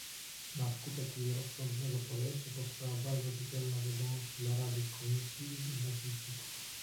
Na skutek jej rozsądnego podejścia powstała bardzo czytelna wiadomość dla Rady, Komisji i Irakijczyków